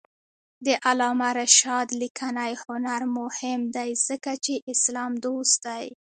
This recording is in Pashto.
د علامه رشاد لیکنی هنر مهم دی ځکه چې اسلام دوست دی.